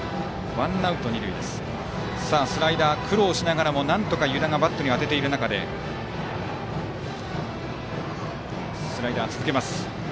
スライダー、苦労しながらなんとか湯田がバットに当てている中でスライダーを続けます。